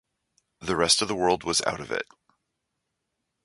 The rest of the world was out of it.